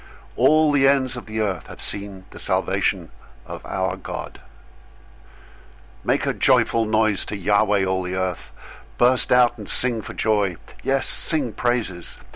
All the ends of the earth have seen the salvation of our God. 098:004 Make a joyful noise to Yahweh, all the earth! Burst out and sing for joy, yes, sing praises!